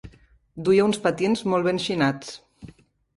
Duia uns patins molt ben xinats.